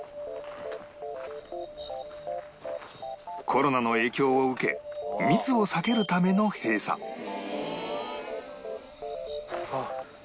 コロナの影響を受け密を避けるための閉鎖あっ！